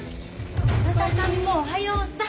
どなたさんもおはようさん！